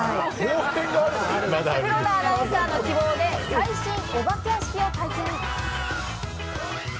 黒田アナウンサーの希望で、最新お化け屋敷を体験。